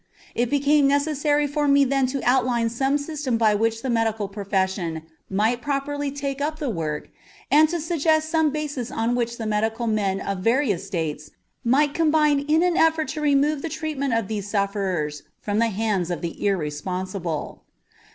It became necessary for me then to outline some system by which the medical profession might properly take up the work and to suggest some basis on which the medical men of various States might combine in an effort to remove the treatment of these sufferers from the hands of the irresponsible.